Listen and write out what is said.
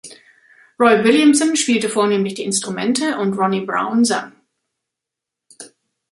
Roy Williamson spielte vornehmlich die Instrumente und Ronnie Browne sang.